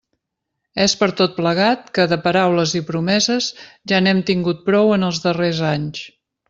És per tot plegat que, de paraules i promeses, ja n'hem tingut prou en els darrers anys.